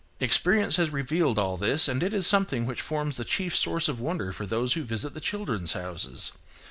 Experience has revealed all this, and it is something which forms the chief source of wonder for those who visit the "Children's Houses."